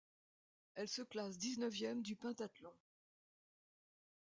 Elle se classe dix-neuvième du pentathlon.